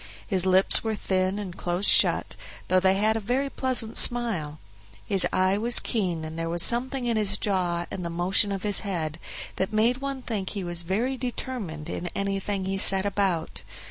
His lips were thin and close shut, though they had a very pleasant smile; his eye was keen, and there was something in his jaw and the motion of his head that made one think he was very determined in anything he set about.